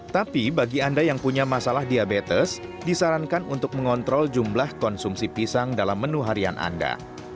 tapi bagi anda yang punya masalah diabetes disarankan untuk mengontrol jumlah konsumsi pisang dalam menu harian anda